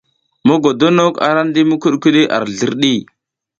Mogodok a ra ndi mikudikudi ar zlirɗi.